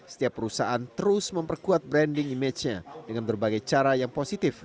setiap perusahaan terus memperkuat branding image nya dengan berbagai cara yang positif